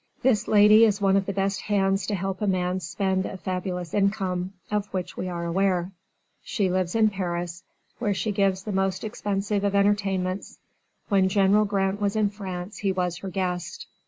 This lady is one of the best hands to help a man spend a fabulous income, of which we are aware. She lives in Paris, where she gives the most expensive of entertainments. When General Grant was in France he was her guest.